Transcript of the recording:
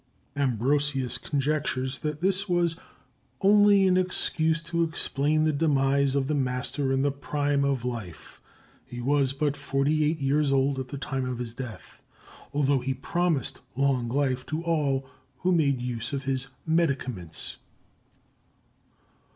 Ambrosius conjectures that this was only an excuse to explain the demise of the master in the prime of life—he was but forty eight years old at the time of his death—although he had promised long life to all who made use of his medicaments.